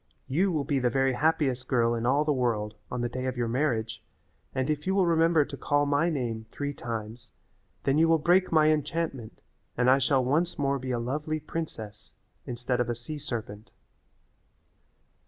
You will be the very happiest girl in all the world on the day of your marriage, and if you will remember to call my name three times then you will break my enchantment and I shall once more be a lovely princess instead of a sea serpent."